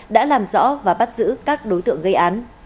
đã làm rõ và bắt giữ các đối tượng gây án